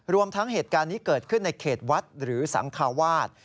รวมทั้งเหตุการณ์นี้เกิดขึ้นในเขตวัดหรือสังคาวาส